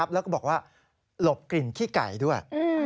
แล้วก็บอกว่าหลบกลิ่นขี้ไก่ด้วย